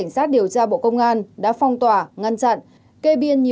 sinh năm hai nghìn năm